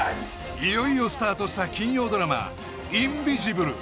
いよいよスタートした金曜ドラマ「インビジブル」